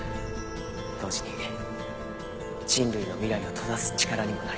同時に人類の未来を閉ざす力にもなります。